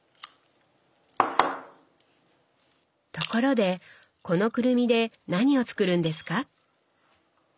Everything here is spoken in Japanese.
ところでこのくるみで何を作るんですか？